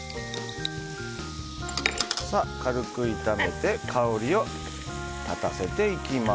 軽く炒めて香りを立たせていきます。